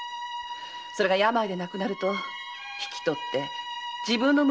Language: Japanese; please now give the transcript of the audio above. それが病で亡くなると引き取って自分の娘のように育ててくれて。